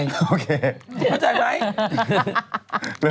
เข้าใจไหม